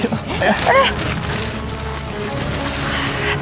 seperti perut kayak gini